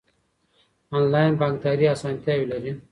انلاین بانکداري اسانتیاوې لري.